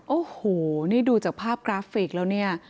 โอ้โหนี่ดูจากภาพกราฟิกแล้วเนี่ย